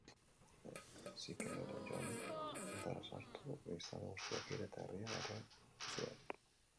Sikem-era joan, indarrez sartu, biztanle guztiak hil eta herria erre zuen.